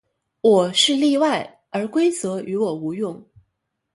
我是例外，而规则于我无用。